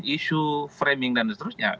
isu framing dan seterusnya